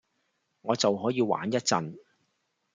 我就可以玩一陣